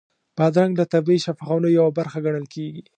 بادرنګ له طبیعي شفاخانو یوه برخه ګڼل کېږي.